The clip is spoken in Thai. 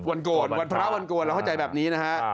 โกนวันพระวันโกนเราเข้าใจแบบนี้นะฮะ